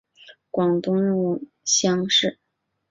广东壬午乡试。